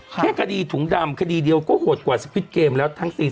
แค่คดีถุงดำคดีเดียวก็โหดกว่าสควิดเกมแล้วทั้ง๔๐